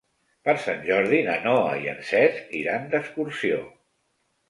Per Sant Jordi na Noa i en Cesc iran d'excursió.